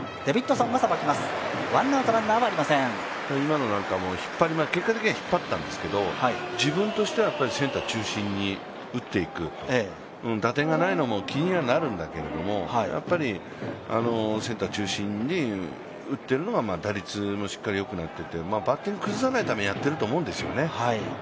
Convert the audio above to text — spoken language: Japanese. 今のなんかも結果的には引っ張ったんですけど自分としてはセンター中心に打っていく、打点がないのも気にはなるんだけど、センター中心に打ってるのが打率もしっかりよくなってて、バッティング崩さないためにやってると思うんですよね。